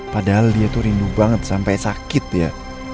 padahal dia itu rindu banget sampai sakit ya